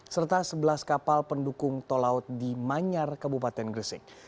serta sebelas kapal pendukung tol laut di manyar kabupaten gresik